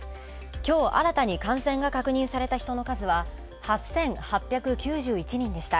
きょう新たに感染が確認された人の数は８８９１人でした。